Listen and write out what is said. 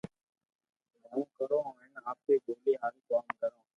مون ڪرو ھين آپرو ٻولي ھارون ڪوم ڪرو